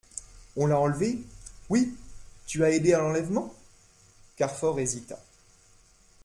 On l'a enlevée ? Oui ! Tu as aidé à l'enlèvement ? Carfor hésita.